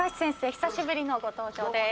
久しぶりのご登場です。